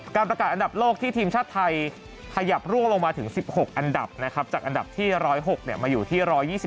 การประกาศอันดับโลกที่ทีมชาติไทยขยับร่วงลงมาถึง๑๖อันดับนะครับจากอันดับที่๑๐๖มาอยู่ที่๑๒๓